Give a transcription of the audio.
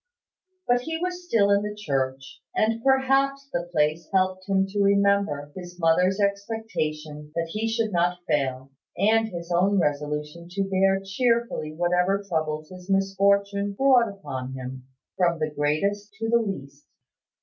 But he was still in the church; and perhaps the place helped him to remember his mother's expectation that he should not fail, and his own resolution to bear cheerfully whatever troubles his misfortune brought upon him, from the greatest to the least.